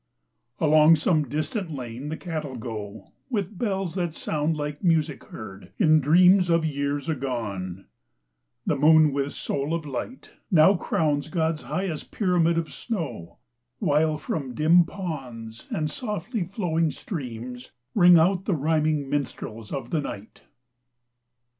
Along some distant lane the cattle go With bells that sound like music heard in dreams Of years agone ; the moon with soul of light Now crowns God's highest pyramid of snow, While from dim ponds and softly flowing streams Ring out the rhyming minstrels of the night